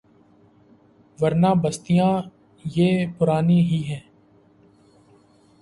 ورنہ بستیاں یہ پرانی ہی ہیں۔